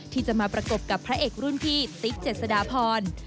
ที่จะมาประกบกับพระเอกรุ่นพี่ติ๊กเจษฎาพร